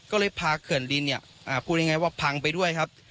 ก็เลยพาเขื่อนดินพังไปด้วยครับ